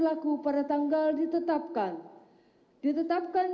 wakil ketua gorena rickardnut tamara